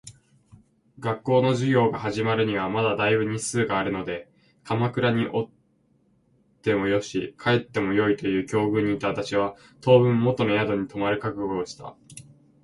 学校の授業が始まるにはまだ大分日数があるので鎌倉におってもよし、帰ってもよいという境遇にいた私は、当分元の宿に留まる覚悟をした。